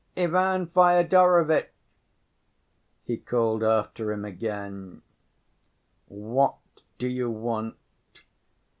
"Ivan Fyodorovitch!" he called after him again. "What do you want?"